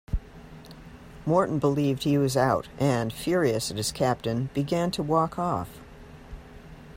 Morton believed he was out, and, furious at his captain, began to walk off.